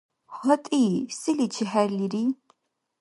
ГьатӀи, селичи хӀерлири?